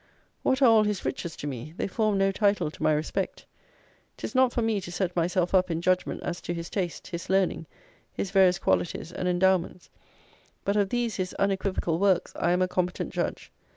What are all his riches to me? They form no title to my respect. 'Tis not for me to set myself up in judgment as to his taste, his learning, his various qualities and endowments; but of these his unequivocal works I am a competent judge.